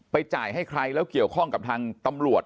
จ่ายให้ใครแล้วเกี่ยวข้องกับทางตำรวจ